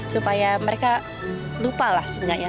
supaya mereka lupa lah sebenarnya